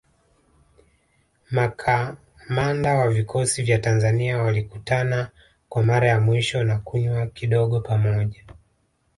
Makamanda wa vikosi vya Tanzania walikutana kwa mara ya mwisho na kunywa kidogo pamoja